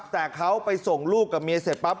แต่เขาไปส่งลูกกับเมียเสร็จปั๊บ